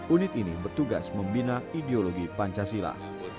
unit ini bertugas membina ideologi pancasila